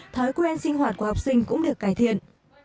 thói quen sinh hoạt của học sinh cũng được cải thiện